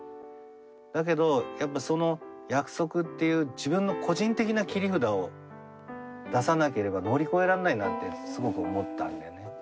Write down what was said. だけどやっぱその約束っていう自分の個人的な切り札を出さなければ乗り越えらんないなってすごく思ったんだよね。